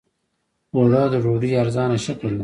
اوړه د ډوډۍ ارزانه شکل دی